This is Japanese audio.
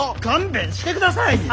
勘弁してください！